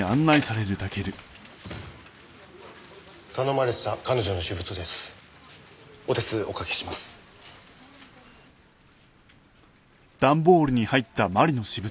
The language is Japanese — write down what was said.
頼まれてた彼女の私物です。